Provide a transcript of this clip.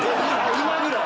今ぐらい。